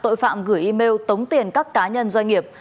tội phạm gửi email tống tiền các cá nhân doanh nghiệp